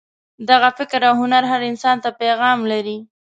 دغه فکر او هنر هر انسان ته پیغام لري.